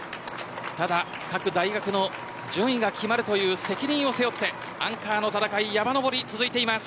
ただ、各大学の順位が決まるという責任を背負ってアンカーの戦い山のぼり。